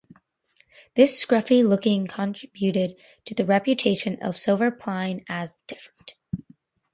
This scruffy look contributed to the reputation of Silverpilen as "different".